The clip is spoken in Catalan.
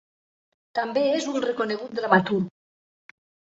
També és un reconegut dramaturg.